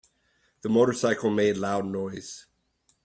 The motorcycle made loud noise.